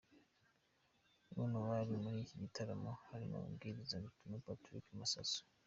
Bamwe mu bari muri iki gitaramo harimo umubwiriza butumwa Patrick Masasu.